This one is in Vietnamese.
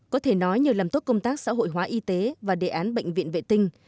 có thể nói nhờ làm tốt công tác xã hội hóa y tế và đề án bệnh viện vệ tinh